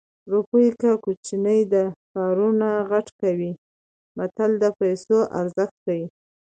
روپۍ که کوچنۍ ده کارونه غټ کوي متل د پیسو ارزښت ښيي